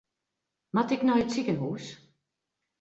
Moat ik nei it sikehús?